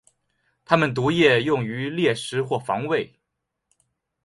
它们的毒液用于猎食或防卫。